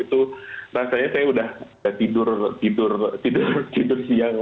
itu rasanya saya udah tidur siang